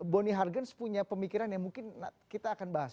boni hargens punya pemikiran yang mungkin kita akan bahas